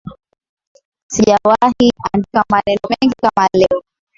Sijawahi andika maneno mengi kama leo